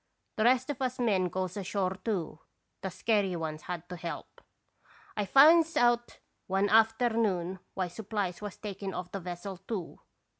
The rest of us men goes ashore, too ; the scary ones had to help. "I finds out, one afternoon, why supplies was taken off the vessel, too.